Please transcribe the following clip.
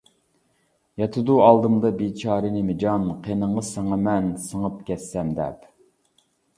ياتىدۇ ئالدىمدا بىچارە نىمجان، قېنىڭغا سىڭىمەن سىڭىپ كەتسەم دەپ.